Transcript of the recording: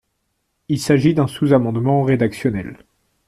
Il s’agit d’un sous-amendement rédactionnel.